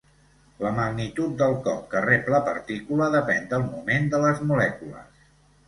La magnitud del cop que rep la partícula depèn del moment de les molècules.